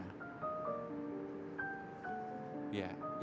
jangan lagi menjauhi orang orang yang berpenyakit menular itu